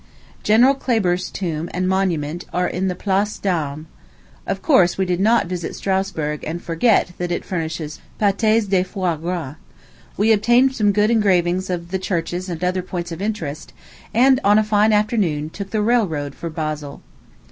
General Kleber's tomb and monument are in the Place d'Armes. Of course, we did not visit Strasburg and forget that it furnishes pâté's des fois gras. We obtained some good engravings of the churches and other points of interest, and, on a fine afternoon, took the railroad for Basle.